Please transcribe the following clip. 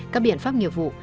các biện pháp nghiệp vụ